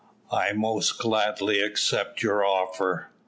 "I most gladly accept your offer."